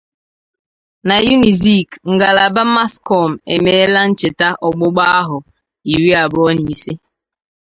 Na Unizik, Ngalaba 'Mass Comm.' Emeela Ncheta Ọgbụgbà Ahọ Iri Abụọ Na Ise